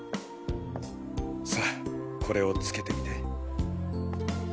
さあこれをつけてみて。